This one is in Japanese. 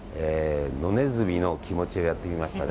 野ネズミの気持ちをやってみました。